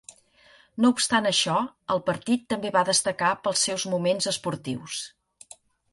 No obstant això, el partit també va destacar pels seus moments esportius.